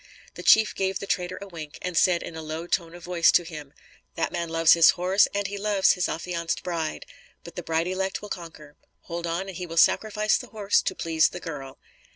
The chief gave the trader a wink, and said in a low tone of voice to him: "That man loves his horse and he loves his affianced bride, but the bride elect will conquer. Hold on and he will sacrifice the horse to please the girl.